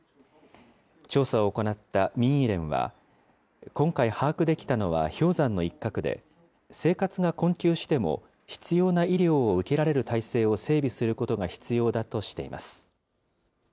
調査を行った民医連は、今回把握できたのは氷山の一角で、生活が困窮しても、必要な医療を受けられる体制を整備することが必要だとしています。